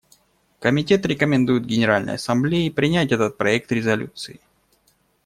Комитет рекомендует Генеральной Ассамблее принять этот проект резолюции.